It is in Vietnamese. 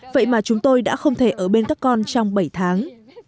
vậy mà chúng tôi đã không thể ở bên các con trong bảy tháng